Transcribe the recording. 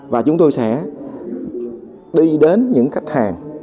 và chúng tôi sẽ đi đến những khách hàng